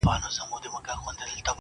زه سلطان یم د هوا تر آسمانونو!!